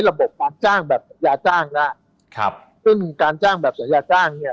ระบบการจ้างแบบสัญญาจ้างนะครับการจ้างแบบสัญญาจ้างเนี่ย